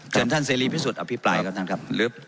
ท่านเสรีพิสุทธิอภิปรายครับท่านครับ